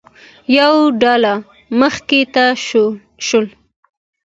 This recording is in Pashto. یوه ډله مخې ته شوه.